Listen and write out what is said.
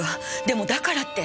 でもだからって。